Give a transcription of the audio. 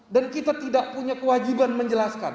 dan kita tidak punya kewajiban menjelaskan